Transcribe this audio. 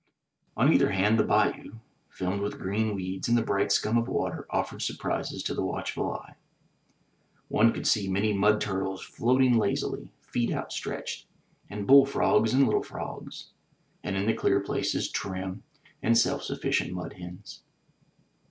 On either hand the bayou, filmed with green weeds and the bright scum of water, offered surprises to the watchful eye. One could see 127 MY BOOK HOUSE many mud turtles floating lazily, feet outstretched; and bull frogs and little frogs; and, in the clear places, trim and self sufficient mud hens.